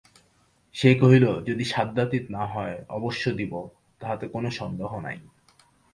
সে কহিল যদি সাধ্যাতীত না হয় অবশ্য দিব তাহাতে কোন সন্দেহ নাই।